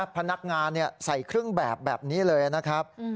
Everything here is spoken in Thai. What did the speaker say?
พนักงานใส่เครื่องแบบแบบนี้เลยนะครับ